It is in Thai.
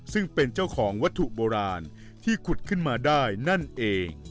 ซึ่งเป็นเจ้าของวัตถุโบราณที่ขุดขึ้นมาได้นั่นเอง